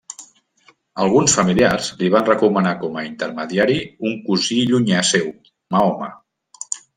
Alguns familiars li van recomanar com a intermediari un cosí llunyà seu, Mahoma.